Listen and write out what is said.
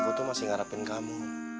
aku tuh masih ngarapin kamu